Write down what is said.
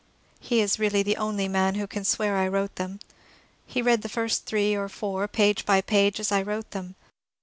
He is really the only man who can swear I wrote them. He read the first three or four, page by page, as I wrote them.